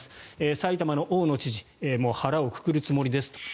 埼玉の大野知事もう腹をくくるつもりですと。